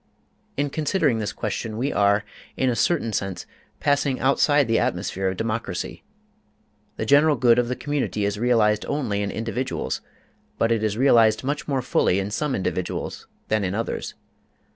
In considering this question we are, in a certain sense, passing outside the atmosphere of democracy. The general good of the community is realized only in individuals, but it is realized much more fully in some individuals than in others.